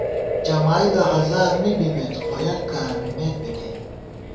جمائیدہ ہزار می بِمېت، خو یَک کرہ مِمېت بی نئ